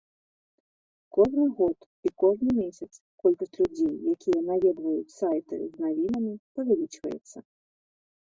Кожны год і кожны месяц колькасць людзей, якія наведваюць сайты з навінамі павялічваецца.